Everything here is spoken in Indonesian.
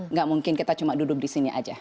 tidak mungkin kita cuma duduk di sini saja